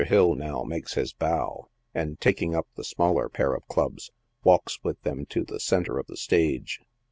Hill now makes his bow, and, taking up the smaller pair of clubs, walks with them to the centre of the stage.